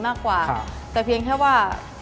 มากกว่าแต่เพียงแค่ว่า